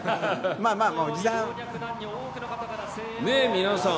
まあまあもう、おじさん。